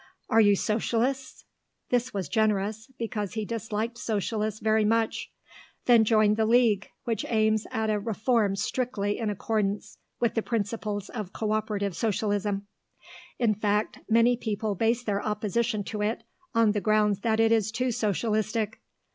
Are you Socialists?" (this was generous, because he disliked Socialists very much) "Then join the League, which aims at a reform strictly in accordance with the principles of co operative socialism; in fact, many people base their opposition to it on the grounds that it is too socialistic.